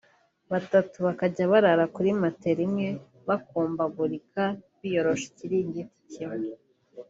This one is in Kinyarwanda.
batatu bakajya bararana kuri matela imwe bakumbagurika biyoroshe ikiringiti kimwe